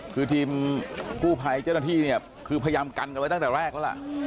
คือทีมกู้ภัยเจ้าหน้าที่เนี่ยคือพยายามกันกันไว้ตั้งแต่แรกแล้วล่ะ